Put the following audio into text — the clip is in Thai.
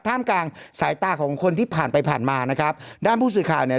กลางสายตาของคนที่ผ่านไปผ่านมานะครับด้านผู้สื่อข่าวเนี่ย